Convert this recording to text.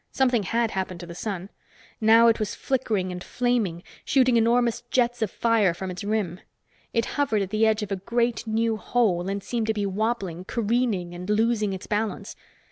Something had happened to the sun. Now it was flickering and flaming, shooting enormous jets of fire from its rim. It hovered at the edge of a great new hole and seemed to be wobbling, careening and losing its balance.